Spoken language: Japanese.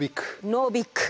ノービク。